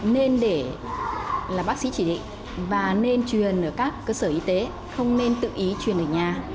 nên để là bác sĩ chỉ định và nên truyền ở các cơ sở y tế không nên tự ý truyền ở nhà